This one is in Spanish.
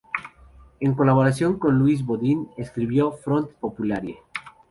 En colaboración con Louis Bodin escribió "Front populaire.